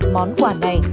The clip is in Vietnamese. món quà này